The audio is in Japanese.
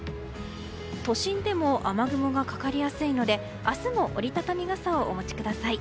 都心でも雨雲がかかりやすいので明日も折り畳み傘をお持ちください。